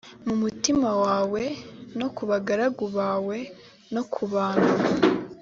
mutima wawe no ku bagaragu bawe no ku bantu